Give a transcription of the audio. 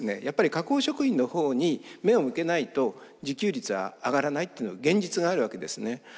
やっぱり加工食品の方に目を向けないと自給率は上がらないっていうのは現実があるわけですね。